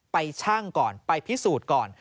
ชั่งก่อนไปพิสูจน์ก่อน